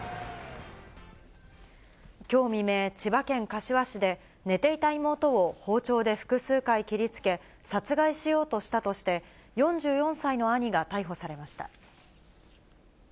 きょう未明、千葉県柏市で、寝ていた妹を包丁で複数回切りつけ、殺害しようとしたとして、４４歳の兄が逮捕されました。